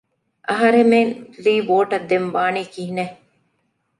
އަހަރެމެން ލީ ވޯޓަށް ދެން ވާނީ ކިހިނެއް؟